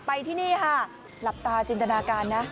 ที่นี่ค่ะหลับตาจินตนาการนะ